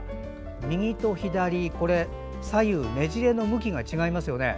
右と左、ねじれの向きが違いますよね。